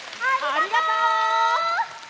ありがとう！